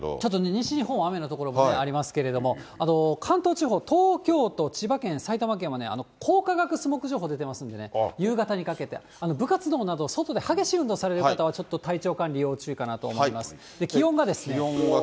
西日本は雨の所もありますけれども、関東地方、東京都、千葉県、埼玉県は光化学スモッグ出てますんでね、夕方にかけて、部活動など、外で激しい運動をされる方は体調管理、要注意かなと思います。